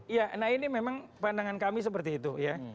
iya nah ini memang pandangan kami seperti itu ya